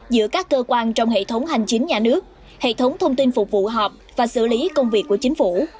giữa các cơ quan trong hệ thống hành chính nhà nước hệ thống thông tin phục vụ họp và xử lý công việc của chính phủ